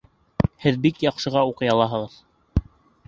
Һеҙ бик яҡшыға уҡый алаһығыҙ